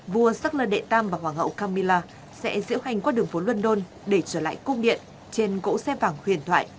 vua charles đệ tam và hoàng hậu camilla sẽ diễu hành qua đường phố london để trở lại cung điện trên cỗ xe vàng huyền thoại